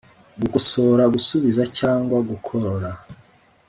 Gukosora gusubiza cyangwa kugorora